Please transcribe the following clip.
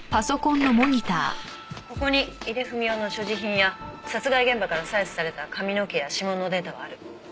ここに井出文雄の所持品や殺害現場から採取された髪の毛や指紋のデータはある。